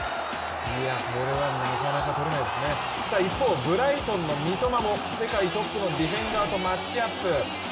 一方、ブライトンの三笘も世界トップのディフェンダーとマッチアップ。